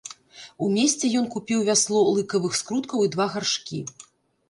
У месце ён купіў вясло лыкавых скруткаў і два гаршкі.